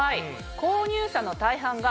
購入者の大半が。